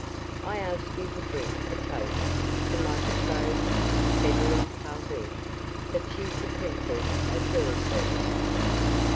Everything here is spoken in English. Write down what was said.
I ask you to drink a toast to my betrothed, Beverly Calhoun, the future Princess of Dawsbergen."